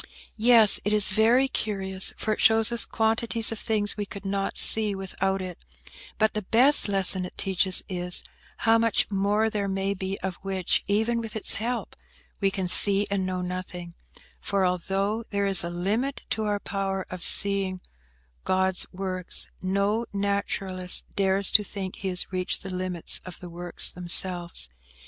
"Yes; it is very curious, for it shows us quantities of things we could not see without it; but the best lesson it teaches is, how much more there may be of which, even with its help, we can see and know nothing; for, although there is a limit to our power of seeing God's works, no naturalist dares to think he has reached the limits of the works themselves.